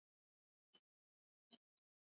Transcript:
wanahofia huenda ikawa ni kisa cha unywaji pombe